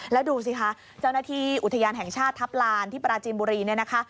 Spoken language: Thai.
แล้วดูสิคะเจ้าหน้าที่อุทยานแห่งชาติทัพลานที่ปราจีนบุรีเนี่ยนะคะ